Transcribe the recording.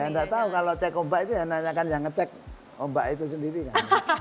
ya nggak tahu kalau cek ombak itu yang nanyakan yang ngecek ombak itu sendiri kan